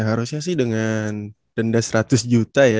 harusnya sih dengan denda seratus juta ya